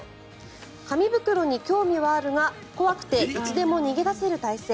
紙袋に興味はあるが怖くていつでも逃げ出せる体勢。